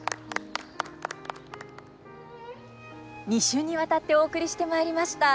２週にわたってお送りしてまいりました